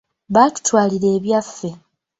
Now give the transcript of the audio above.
Baatutwalira ebyaffe.